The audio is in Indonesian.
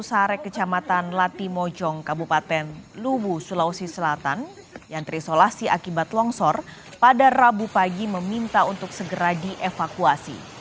sarek kecamatan latimojong kabupaten luwu sulawesi selatan yang terisolasi akibat longsor pada rabu pagi meminta untuk segera dievakuasi